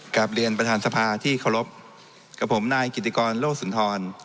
กลับเรียนประธานสภาที่เคารพกับผมนายกิติกรโลกสุนทร